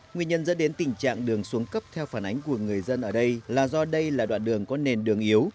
nguyên nhân dẫn đến tình trạng đường xuống cấp theo phản ánh của người dân ở đây là do đây là đoạn đường có nền đường yếu